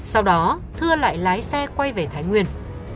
sau đó thưa lại lái xe quay về thái nguyên